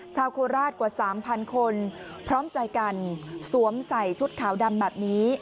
โคราชกว่าสามพันคนพร้อมใจกันสวมใส่ชุดขาวดำแบบนี้